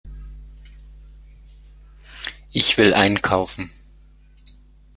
Ich will einkaufen.